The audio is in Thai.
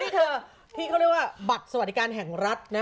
นี่คือที่เขาเรียกว่าบัตรสวัสดิการแห่งรัฐนะ